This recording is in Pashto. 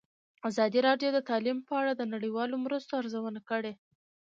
ازادي راډیو د تعلیم په اړه د نړیوالو مرستو ارزونه کړې.